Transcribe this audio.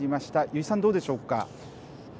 油井さんどうでしょうか。